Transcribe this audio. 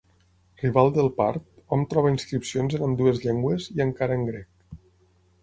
Rival del part, hom troba inscripcions en ambdues llengües i encara en grec.